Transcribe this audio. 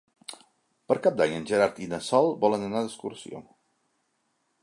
Per Cap d'Any en Gerard i na Sol volen anar d'excursió.